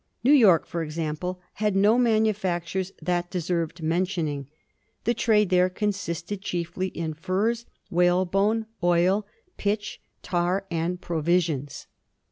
New York, for example, had no manufactures * that deserved mentioning ;' the trade there * consisted chiefly in furs, whalebone, oil, pitch, tar, and provisions.'